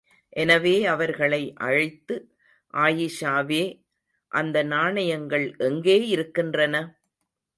எனவே அவர்களை அழைத்து ஆயிஷாவே அந்த நாணயங்கள் எங்கே இருக்கின்றன?